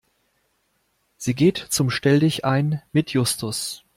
Sie geht zum Stelldichein mit Justus.